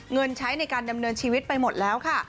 เงินใช้ในการดำเนินชีวิตไปหมดแล้วค่ะ